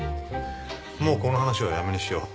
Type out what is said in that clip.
もうこの話はやめにしよう。